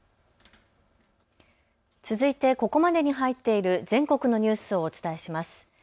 続いてここまでに入っている全国のニュースをお伝えします。